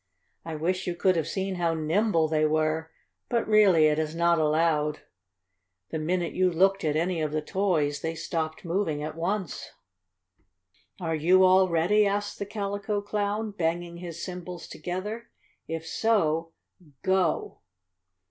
I wish you could have seen how nimble they were, but, really, it is not allowed. The minute you looked at any of the toys they stopped moving at once. "Are you all ready?" asked the Calico Clown, banging his cymbals together. "If so go!"